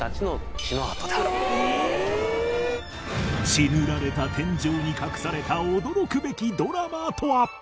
血塗られた天井に隠された驚くべきドラマとは？